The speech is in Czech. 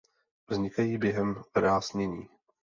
Vznikají během vrásnění.